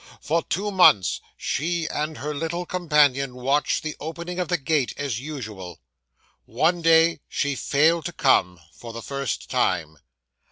For two months, she and her little companion watched the opening of the gate as usual. One day she failed to come, for the first time.